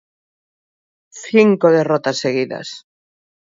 Cinco derrotas seguidas.